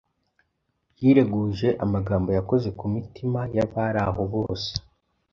Yireguje amagambo yakoze ku mitima y’abari aho bose,